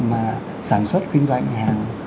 mà sản xuất kinh doanh hàng